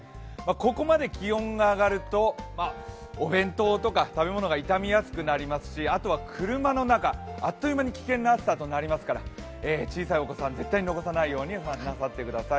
ここまで気温が上がると、お弁当とか食べ物が傷みやすくなりますしあとは、車の中、あっという間に危険な暑さとなりますから小さいお子さん、絶対に残さないように気をつけてください。